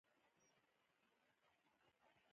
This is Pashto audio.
ایا زه سرطان لرم؟